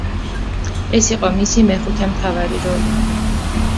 ეს იყო მისი მეხუთე მთავარ როლი.